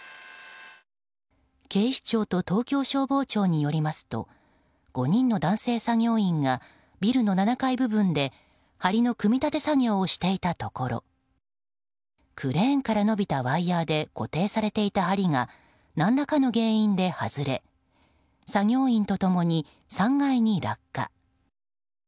警視庁と東京消防庁によりますと５人の男性作業員がビルの７階部分で、梁の組み立て作業をしていたところクレーンから伸びたワイヤで固定されていた梁が何らかの原因で外れ作業員と共に３階に落下。